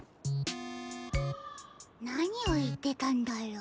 なにをいってたんだろう？